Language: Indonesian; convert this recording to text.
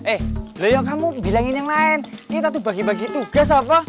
eh lo yang mau bilangin yang lain gak tahu bagi bagi tugas apa